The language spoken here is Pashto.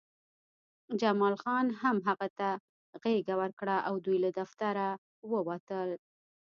جمال خان هم هغه ته غېږه ورکړه او دوی له دفتر ووتل